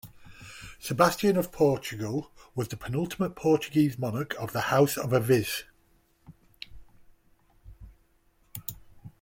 Sebastian of Portugal was the penultimate Portuguese monarch of the House of Aviz.